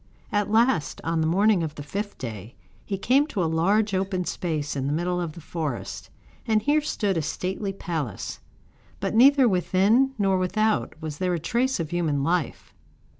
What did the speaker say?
At last, on the morning of the fifth day, he came to a large open space in the middle of the forest, and here stood a stately palace; but neither within nor without was there a trace of human life.